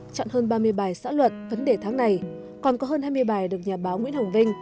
chọn hơn ba mươi bài xã luận vấn đề tháng này còn có hơn hai mươi bài được nhà báo nguyễn hồng vinh